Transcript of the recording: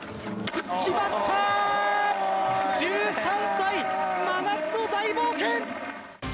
１３歳、真夏の大冒険！